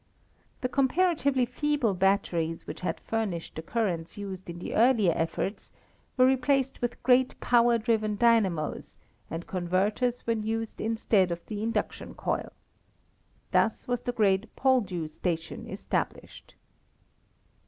The comparatively feeble batteries which had furnished the currents used in the earlier efforts were replaced with great power driven dynamos, and converters were used instead of the induction coil. Thus was the great Poldhu station established.